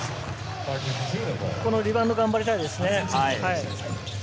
このリバウンド頑張りたいですね。